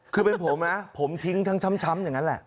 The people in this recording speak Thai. คือเป็นผมนะผมทิ้งทั้งช้ำอย่างนั้นแหละ